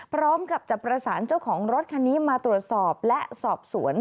พร้อมกับจะประสานเจ้าของรถคันนี้มาตรวจสอบและสอบสวน